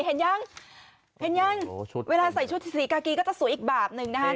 เห็นยังเห็นยังเวลาใส่ชุดสีกากีก็จะสวยอีกแบบหนึ่งนะคะ